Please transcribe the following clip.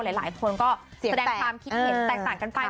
หลายคนก็แสดงความคิดเห็นแตกต่างกันไป